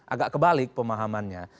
agak kebalik pemahamannya